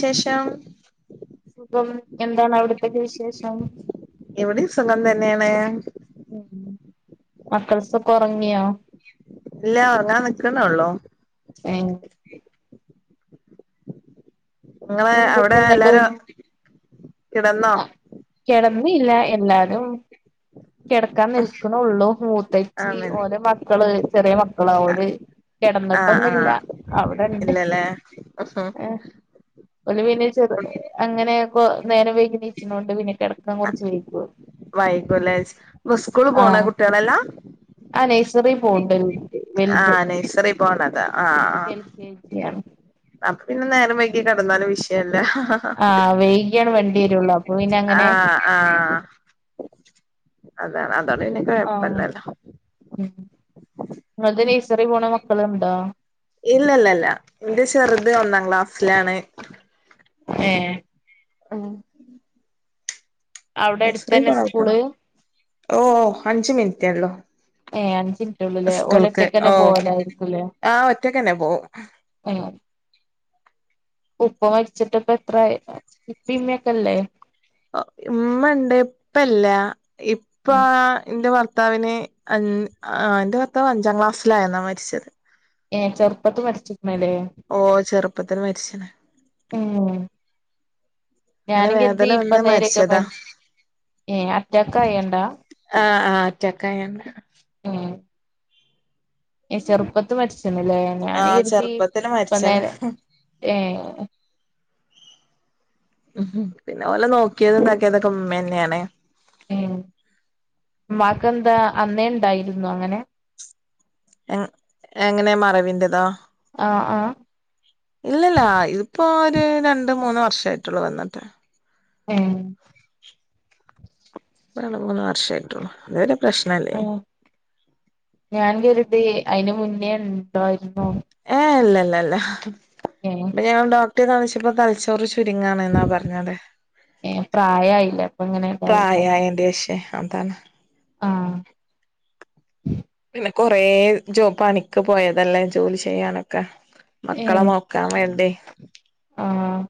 ശേഷ ഇപം എന്താണ് അവിടത്തേക്ക വിശേഷം എവിടെയും സുഖം തന്നെയാണ് ഉ മക്കൾസൊക്കെ ഉറങ്ങിയോ ഇല്ല ഉറങ്ങാൻ നിക്കുന്നേ ഉള്ളൂ [inaudible] നിങ്ങള് പിന്നെന്തൊക്കെ അവിടെ എന്നിട്ട് എല്ലാരും ഉം കിടന്നോ കിടന്നില്ല എല്ലാരും കിടക്കാൻ നിൽക്കണള്ളൂ മൂത്തച്ചി ആണ ഓരെ മ മക്കള് ചെറിയ മക്കൾ അവര് ആഹ് കിടന്നിട്ടൊന്നില്ല അവിടെണ്ട് ആഹ ഒരു പിന്നെ ചെറ അങ്ങനെൊക്ക നേരം വേിക്കച്ചണ്ട് പിന്നെ കിടക്കാൻ കുറച്ച് ലൈറ്റ് ആകും വൈക്കുലേ സ്കൂള് പോണ കുട്ടികളല്ലാ ആ നഴ്സറി പൊണ്ട് ആഹ നെയഴ്സറി പോണത ആഹ എൽ കെ ജി ആണ് ആ അപ്പ പിന്നെ നേരം വൈകി കിടന്നാലും വിഷയല്ല ആഹ് വെയ്കയാണ് വണ്ടി വരൊള്ളൂ ആഹ ആഹ അതാണ് അതോണ്ട് പിന്നെ കുഴപില്ലല്ലോ ഉ നിങ്ങക്ക് നെയ്സറി പോണ മക്കളുണ്ടോ ഇല്ല ഇല്ല ഇല്ല എന്റെ ചെറുത് ഒന്നാം ക്ലാസ്സിലാണ് ഏ ഉം അവിടെ എക്സരേ അടുത്തന്നെ പറാവത്ത സ്കൂള് ഓ അഞ്ച് മിനിറ്റോള് ഏഹ് അഞ്ച് മിനിറ്റുള്ളൂല്ലേ സ്കൂൾക്ക് ഓ ഓലൊറ്റക്കന്നെ പോവലായിരിക്കുംല്ലേ ആ ഒറ്റക്കന്നെ പോകും [unintelligible] ഉപ്പ മരിച്ചിട്ട് ഒക്കെ എത്രയി പിന്നേക്കല്ലേ ഉംമ്മ ഉണ്ട് ഉപ്പല്ല ഇപ്പ ഉം എന്റെ ഭർത്താവിന് ആ എന്റെ ഭർത്താവ് അഞ്ചാം ക്ലാസ്സിലായിരുന്നാ മരിച്ചത് ഏ ചെറുപ്പത്ത് മരിച്ചിരുന്നില്ലേ ഓ ചെറുപ്പത്തിൽ മരിച്ചണ് ഉം അങ്ങനെ ഞാനും കരുതി വേദന ഇപ്പ വന്ന് നേരൊക്കെ മരിച്ചതാ മ ഏ അറ്റാക്ക്യണ്ടാ ആഹ് ആ് അറ്റക്കായോണ്ട ഉം ഏ ചെറുപ്പത്ത് മരിച്ചന്നല്ലേ ഞാൻീ ആഹ് കരുതി ചെറുപ്പത്തില് ഇപ്പ മരിച്ചണ് നേര ഏ ഉംം പിന്നെ പോലെ നോക്കിയത് എന്താക്കിയതൊക്കെ ഉമ്മ തന്നെയാണ് ഉം ഉമ്മാക്ക്ന്താ അന്നേ ഉണ്ടായിരുന്നു അങ്ങനെ എ എങ്ങനെയാ മറവിന്റതാ ആഹ ആഹ ഇല്ലല്ല ഇതിപ്പോൊ ഒരു രണ്ട് മൂന്ന് വർഷ ആട്ടുള്ളൂ വന്നിട്ട് ആഹ രണ്ട് മൂന്ന് വർഷ ആയിട്ടുള്ളു അതുവരെ പ്രശ്നം അല്ലേ ഏഹ് ഞാൻ കരുത് അയിന് മുന്നേ ഉണ്ടായിരുന്നോ ഏ എല്ല എല്ലല്ല ആഹ അപ്പൊ ഞാൻ ഡോക്ടറെ കാണിച്ചപ്പ തലച്ചോറ് ചുരുങ്ങാണന്നാ പറഞ്ഞതത് ഏ പ്രായായില്ലേ അപ്പൊ ഇങ്ങനെ ഇതായിക്കാരം പ്രായയേൻ്റെ പക്ഷെ അന്താണ് ആഹ പിന്നെ കൊറെ ജോബ് പണിക്ക് പോയതല്ലേ ജോലി ചെയ്യാനൊക്കെ ഏ മക്കളെ നോക്കാൻ വേണ്ടേ ആഹ്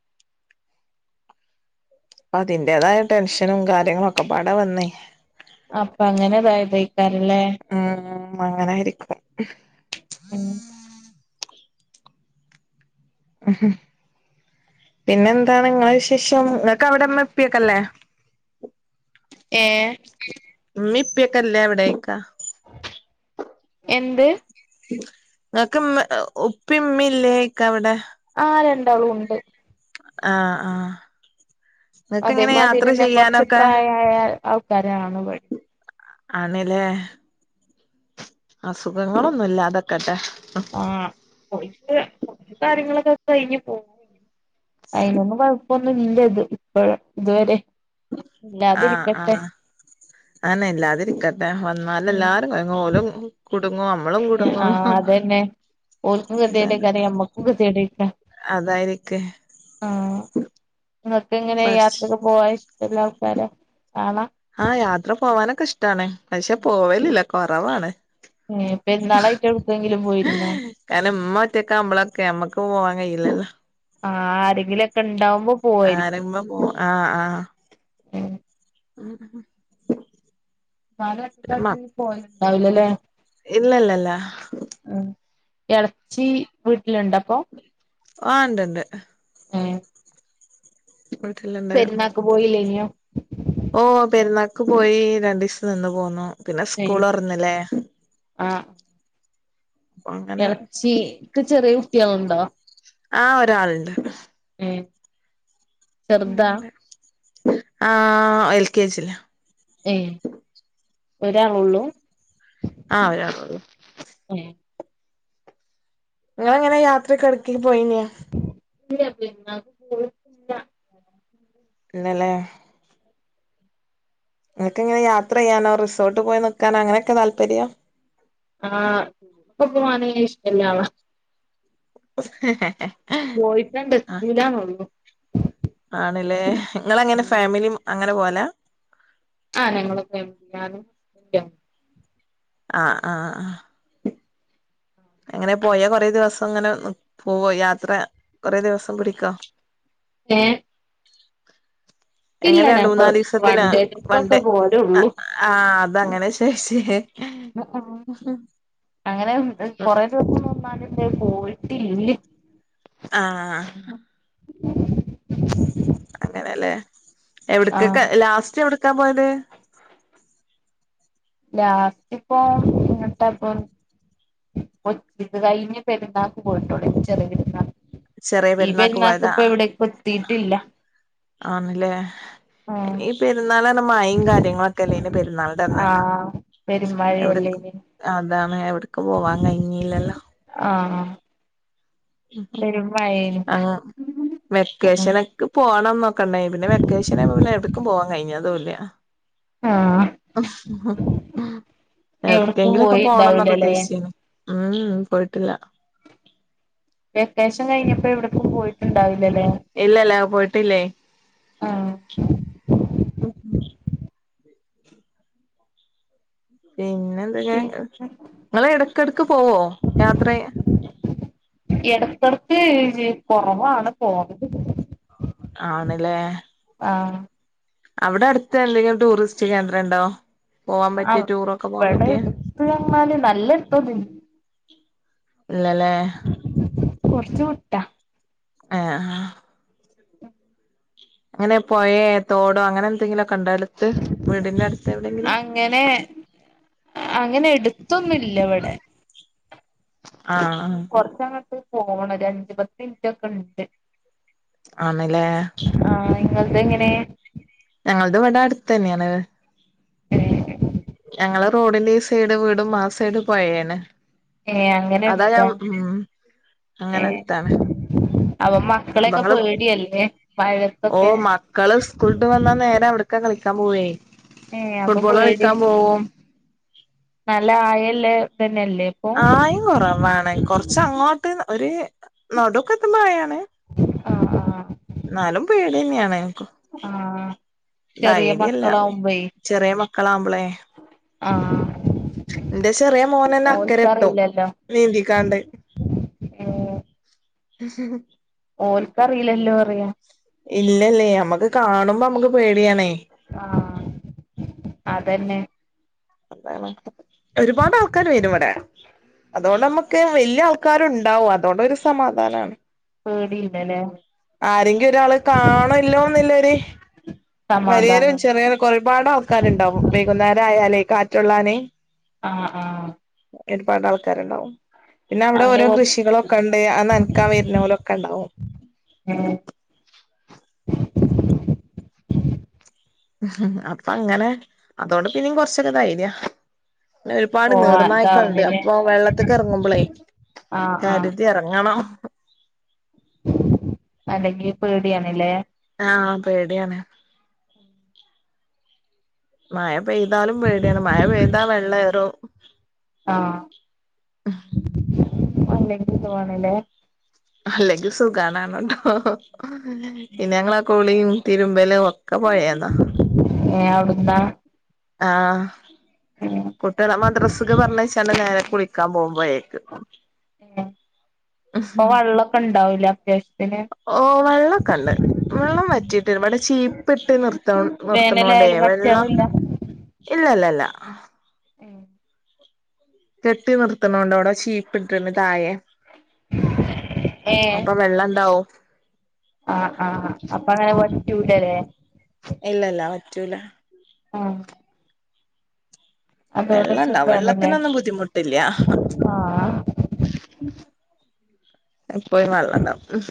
പ്പൊ അതിന്റേതായ ടെൻഷനും കാര്യങ്ങളും ഒക്കെ പാടെ വന്നേ. അപ്പൊ അങ്ങനെതാതയ്കാരല്ലേ. ഉം അങ്ങനായിര്ക്കും. ഉം ഉം പിന്നെ എന്താണ്ങ്ങളവിശേഷം. നിങ്ങൾക്ക് അവിടെമ്മ പ്പിയക്കല്ലേ ഏഹ് മ്മിപ്പക്കല്ലേ അവിടൊയ്ക്ക എന്ത്? ങ്ങക്ക്ഉമ്മ ഉപ്പിംമ്മില്ലേയ്ക്കവിടെ? ആഹ് രണ്ടാളുംണ്ട്. ആഹ് ആഹ് നിങ്ങക്ക് അതെ എങ്ങനെ മതി യാത്ര തന്നെ കൊർച്ച് ചെയ്യാനൊക്കെ പ്രായായ ആൾക്കാരാണ് വഴി. ആണ്ലേ. അസുഖങ്ങളൊന്നുംല്ലാതക്കട്ടെ. ആഹ്. ഓൽക് ഓലെ കാര്യങ്ങളൊക്കെ കഴിഞ്ഞ് പോകും. അയ്നൊന്നും കൊഴ്പ്പൊന്നും ഇല്ല. ഇത് ഇപ്പേഴ ഇതുവരെ. ആഹ് ഇല്ലാതിരിക്കട്ടെ ആഹ് ആനെ, ഇല്ലാതിരിക്കട്ടെ വന്നാല് ഉം എല്ലാരും കൊയ്ങ്ങും. ഓലും കുട്ങ്ങും അമ്മളും കുടുങ്ങും ആഹ് അതന്നെ ഓൽക്കും ഇതാണ് കെതേടയ്ക്കാരം ഞമ്മക്കും കെ തേടയ്ക്ക അതായിരിക്കെ ആഹ്. നിങ്ങക്ക്ങ്ങനെ പഠിച്ച യാത്രക്ക് പോവാൻ ഇഷ്ടല്ല ആൾക്കാര ആണ. ആഹ് യാത്ര പോവാനൊക്കെ ഇഷ്ടാണ്, പക്ഷെ പോവലില്ല കൊറവാണ്. ഏഹ് പെര്ന്നാളായ്ട്ട് എടുക്കെങ്കിലും പോയിരുന്നോ? കാരണം മ്മ ഒ റ്റ ക്കാവുക്കാവുമ്പൊളൊക്കെ മ്മക്ക് പോവാം കഴീലല്ലോ. ആഹ് ആരെങ്കിലൊക്കെ ഇണ്ടാവുമ്പോ ആരമ്പോപോ ആഹ് ആഹ്. ഏഹ് പിന്നെ മ നാലട്ടക്കാട്ടി പോയലുണ്ടാവലല്ലേ ഇല്ലല്ലല്ല ഉം എളച്ചി വീട്ടില്ണ്ടൊപ്പ ആഹ് ഇണ്ട്ണ്ട്. ഉം വീട്ടില്ണ്ട് പെര്നാക് പോയില്ലേനൊ? ഓഹ് പെരുന്നാക്ക് പോയി രണ്ടീസം നിന്ന് പോന്നു, പിന്നെ ഏഹ് സ്കൂൾ തൊർന്നില്ലേ. ആഹ് അപ്പൊ അങ്ങനെ ഇളച്ചിക്ക് ചെറിയ കുട്യാളുണ്ടോ? ആഹ് ഒരാള്ണ്ട്. ഏഹ് ചെറുതാ ആഹ് എൽ കെ ജില് ഏഹ്ഒരാളുള്ളൂ? ആഹ്. ഒരാളൊള്ളു. ഏഹ് നിങ്ങളെങ്ങനെ യാത്ര ക്കെടക്കലും പോയീനാ ഇല്ല. പെര്ന്നാക് ഇല്ലലൈ. ങ്ങൾക്കങ്ങന യാത്ര ചെയ്യാനോ റിസോർട്ട് പോയ്നിക്കാനോ അങ്ങനൊക്കെ താല്പര്യാ? ആഹ് പ്പൊ പൊവാന ഇഷ്ടല്ല. [inaudible] പോയിട്ടണ്ട് എത്തൂലാനൊള്ളു. ആണ്ല നിങ്ങളെങ്ങനെ ആ ഫാമിലി അങ്ങനെ പോവല. ആഹ് ഞങ്ങള് ഫാമിലി. ഞാനും കുട്യാളും. ആഹ് ആഹ് ആഹ് അങ്ങനെപോയാ കൊറെദിവസം ങ്ങനെ ന്ന് പോവോയാത്രകൊറേ ദിവസംപിടിക്കോ? ഏഹ് ഇല്ല എങ്ങനെ രണ്ട് ഞങ്ങള് മൂന്നാല് ദിവസത്തിനാ വണ്ടേട്രിപ്പൊക്കെ വൺഡേ ആ പോരൊള്ളൂ. ആ അതങ്ങനെ ചോയിച്ചേ ന്ന് അഹ് അങ്ങനെ എ കൊറെ ദിവസംമുന്പാന്ന് പോയിട്ടില്ലേ ആഹ് അങ്ങനെലേ എവിടക്കൊക്കെ ആഹ് ലാസ്റ്റ് എവ്ടുക്കാപോയത്? ലാസ്റ്റ്ഇപ്പോ ഇങ്ങട്ടപ്പോ. പോയ് കയ്ഞ്ഞ പെരുന്നാക്ക് പോയിട്ടൊള്ളു ചെറിയെരുന്നാൾക്ക്. ചെറിയ പെരുന്നാക്ക് പോയതാ ഈപെരുന്നാൾക്ക്പ്പൊ എവിടെക്കും എത്തിട്ടില്ല. ആണ്ലേ ഇന്ന് പെരുന്നാളറഞ്ഞാ മയിം കാര്യങ്ങളൊക്കെഅല്ലയ്നോ പെരുന്നാളിന്റെ അന്ന് ആഹ് എവിടെക്ക് പെരുമഴയല്ലേനി അതാണ് എവിടെക്കും പോവാൻ കയ്ഞ്ഞീല്ലല്ലോ? ആഹ് ആഹ് ഉം പെരുമഴേനി ആഹ് വെക്കേഷനൊക്കെ പോണംന്നൊക് ക്കണ്ടയ് പിന്നെവെക്കേനയപ്പം പിന്നെ എവ്ക്കും പോവാൻകയ്ഞ്ഞതുല്ല. ആഹ് എവിടക്കും എവിടക്കെങ്കിലൊക്കെ പോണംന്നൊക്കെ പോയിണ്ടാവൂലല്ലേ ഉദ്ദേശിച്ചീനിം. ഉംമ് പോയ്ട്ടില്ല. വെക്കേഷൻകഴിഞ്ഞപ്പോ എവ്ട്ക്കും പോയ്ട്ടുണ്ടാവില്ലല്ലേ? ഇല്ലല്ലാ പോയ്ട്ടില്ലേ. ആഹ് പിന്നെന്തഞ ങ്ങള് എടക്കെടെക്ക് പോവോയാത്രേ എടക്കെടെക്ക് കൊറവാണ്പോകല് ആണ്ലേ ആഹ് അവ് ടെ എടുത്ത് എന്തെങ്കിലുംടൂറിസ്റ്റ് കേന്ദ്രംഇണ്ടോ? അഹ് ഇവടെപ്പോ ന്നല് നല്ലെ എടതൊന്നല്ല ഇല്ലലേ കൊർച്ച് വുട്ടാ. ഏഹ് ആഹ് അങ്ങനെപൊയേ തോടോഅങ്ങനെ എന്തെങ്കിലുഒക്കെണ്ടോ അട്ത്ത് വീടിന്റെ അട്ത്ത്എവടെങ്കിലും. അങ്ങനെ അങ്ങനെട്ത്തൊന്നുല്ല ഇവടെ ആഹ് കൊറച്ചഅങ്ങട്ട് പോണം ഒരഞ്ച്, പത്ത് ഇൻറ്റൊക്കെണ്ട്. ആണ്ലേ? ആഹ് ഇങ്ങൾതെങ്ങനെ? ഞങ്ങൾത് ഇവടെ അട്ത്തെന്നെണ്. ഏഹ് ഞങ്ങളെറോഡിന്റെ ഈസൈഡ് വീടും ആസൈഡ്പൊയേണ്. ഏഹ് അങ്ങെനെര്ത്താ അങ്ങനെ ഏഹ് അടുത്താണ് അപ്പൊ അപ്പൊ മക്കളേക്കെ ഇങ്ങള് പേടിയാലേ മയതൊക്കെ ട്ടവന്നാ നേരെ അവിടക്കകളിക്കാൻ പോവേ ഏഹ് അപ്പൊ ഫുട്ബോള്കളിക്കാൻ പോവും. ന്നല്ല ആയെല്ലേ ഇതെന്നെയല്ലേ? ആയം കൊർവാണ് കൊർച്ചങ്ങോട്ട് ഒര് നടുക്കെ എത്തുമ്പോആയാണ്. ആഹ്, ആഹ് ന്നാലും പേടിയെന്നെണ് ഇൻക്ക്. ആഹ് ചെറിയ ധൈര്യല്ല മക്കളാവുമ്പേ ചെറ്യേ മക്കളാവുമ്പളെ ആഹ് ന്റെ ചെറ്യേ മോനന്നെ അക്കരെത്തും ഓൽക്കറിയില്ലല്ലോ നീന്തിക്കാണ്ട് ഓൽക്കറീലല്ലോ റ്യ ഇല്ലല്ല യമ്മക്ക് കാണുമ്പമ്മക്ക് പേട്യാണേ ആഹ് അതന്നെ അതാണ്. ഒരുപാട് ആൾക്കാര് വരും വടെ അതോണ്ടമ്മക്ക് വെല്ല്യാൾക്കാരുണ്ടാവും. അതോണ്ടൊര് സമാധാനാണ്. പേടില്ല ലെ ആരെങ്കി ഒരാള് കാണല്ലോന്നില്ലൊര് വരിയേരും സമാധാനം ചെറിയരൊക്കെ ഒരുപാട് ആൾക്കാരുണ്ടാവും വൈകുന്നേരാ യാലേ കാറ്റുള്ളാനെ ആഹ് ആഹ് ഒരുപാട് ആൾക്കാര്ണ്ടാവും. പിന്നവിടെ അയിനെ ഓരോ കുറിച്ച് കൃഷികളൊക്കെ ക്കണ്ട്. ആ നൻക്കാ വേര്നോലൊക്കണ്ടാവും. അപ്പൊങ്ങനെ അതോണ്ട് പിന്യും കൊർച്ചൊക്കെ ധൈര്യ ഒരുപാട് പോവാൻ നീർനായ്ക്കൾണ്ട്. ഇതാവണില്ലേ അപ്പൊ വെള്ളത്ത്ക്കർങ്ങുമ്പളേയ് ആഹ് ആഹ് കരുത്യർങ്ങണം അല്ലെങ്കി പേട്യാണ്‌ ലേ ആഹ് പേട്യാണ് മഴ പെയ്താലും പേട്യാണ്‌. മഴ പെയ്താ വെള്ളേറും ആഹ് അല്ലെങ്കി തുആണ്‌ ലേ അല്ലെങ്കി സുഗാണാണ് ട്ടോ. ഉം പിന്നങ്ങള കുളിയും തിരുമ്പലും ക്കൊ പൊഴേന്നാ ഏഹ് ഔട്ന്ന ആഹ് കുട്ട്യളെ മദ്രസ്ക്ക് പർഞ്ഞയച്ചാണ്ട് നേരെ കുളിക്കാമ്പോവും. പൊഴേക്ക് അഹ് പ്പ വള്ളക്കെണ്ടാവുലേ അത്യാവശ് ത്തിന് ഓഹ് വള്ളക്കണ്ട്. വെള്ളം വറ്റിട്ട്ല്ല വട് ചീപ്പിട്ട് നിർത്തണോ നിർത്ത്ണോണ്ടേ വേനലായാലും വെള്ളം വറ്റാറില്ല ഇല്ലല്ലല്ല ഏ ഉം കെട്ടി നിർത്തണോണ്ടവിടെ ചീപ്പ്‌ട്ട്ണ്‌ തായെ ഏ അപ്പൊ വെള്ളന്താവും ആഹ് ആഹ് അപ്പങ്ങനെ വറ്റൂലലേ ഇല്ലല്ലാ വറ്റൂല ഉം അതോണ്ട് വെള്ളണ്ടാവും. സുഖാണല്ലേ വെള്ളത്തിനൊന്നും ബുദ്ധിമുട്ട് ല്യ ആഹ് എപ്പോഴും വെള്ളാണ്ടാവും.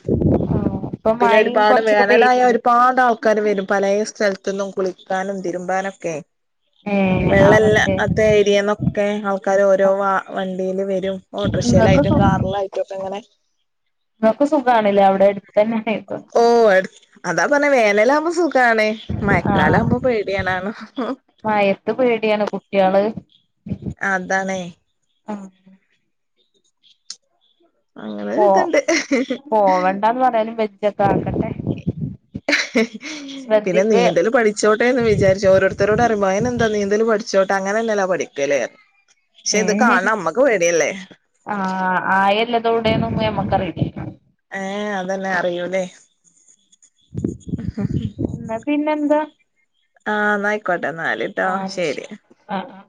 ഇപ്പൊ പിന്നെ മഴയും ഒരുപാട് കൊറച്ചൊക്കെ വേനലായ പെയ്തില്ലേ ഒരുപാടാൾ ക്കാര് വരും. പലേ സ്ഥൽത്ത്ന്നും കുളിക്കാനും തിരുമ്പാനൊക്കെ ഉം വെള്ളല്ല അത്തേരിയന്നൊക്കെ ആൾക്കാര് ഓരോ വ വണ്ടിയില് വരും ഇങ്ങക്ക് ഓട്ടർഷേലായിട്ടും കാറിലായിട്ടൊക്കെ ങ്ങനെ ങ്ങക്ക് സുഗാണ്‌ ലേ അവിടെ എട്ത്തന്നായതോണ്ട് ഓഹ് അട് അതാപർഞ്ഞെ, വേനലാവുമ്പോ സുഗാണ്. ആഹ് മഴക്കാലാവുമ്പോ പേടിയാനാണും മഴത്ത് പേട്യാണ് കുട്ട്യാള് അ താണേ ഉം പോ അങ്ങനൊരിത്ണ്ട് പോവണ്ടാന്ന് പറയാലും വെജ്ജൊക്കെ ആക്കട്ടെ പിന്നെ ശ്രദ്ധിക്ക് നീന്തല് പഠി ച്ചോട്ടെ എന്ന് വിചാരിച്ച് ഓരോര്ത്തരോട് അറിമ്പൊ അയ്നെന്താ നീന്തല് പഠിച്ചോട്ടെ അങ്ങനെന്നല്ലാ പഠിക്കല് ക്ഷെ ഏ ഇത് കാണ്ണ അമ്മക്ക് പേടിയല്ലേ ആഹ് ആയല്ലതോടെന്നൊന്നും നമ്മക്കറീല്ലല്ലോ. ഏഹ് അതല്ലെ അറിയൂല്ലേ എന്നാ പിന്നെന്താ? ആഹ് ന്ന അയിക്കോട്ടെ ന്നാല് ആഹ് [unintelligible] ആഹ് അഹ്